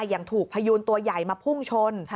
อย่างถูกพยูนตัวใหญ่มาพุ่งชน